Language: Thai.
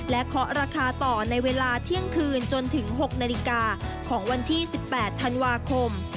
เคาะราคาต่อในเวลาเที่ยงคืนจนถึง๖นาฬิกาของวันที่๑๘ธันวาคม